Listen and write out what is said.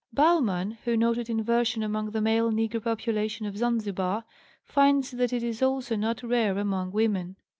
Baumann, who noted inversion among the male negro population of Zanzibar, finds that it is also not rare among women.